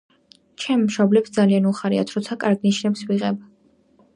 ჩემ მშობლებს ძალიან უხარიათ როცა კარგ ნიშნებს ვიღებ